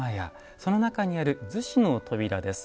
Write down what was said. その中にある厨子の扉です。